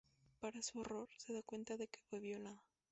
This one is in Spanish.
Para su horror, se da cuenta de que fue violada.